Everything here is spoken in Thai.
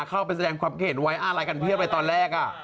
เข้าใส่แสดงความเข็ดว่ายไอ้อะไรกันเบี้ยไปตอนแรก